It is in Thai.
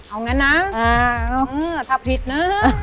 เอางั้นนะเอาเอาพิษนะ